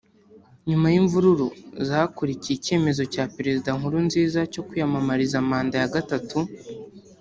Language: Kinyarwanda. nyuma yimvururu zakurikiye icyemezo cya Perezida Nkurunziza cyo kwiyamamariza manda ya gatatu